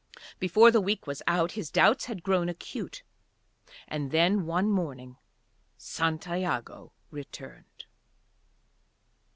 Before the week was out his doubts had grown acute. And then one morning, Santiago returned.